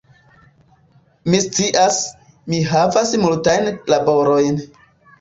Mi scias, ŝi havas multajn laborojn